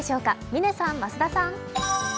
嶺さん、増田さん。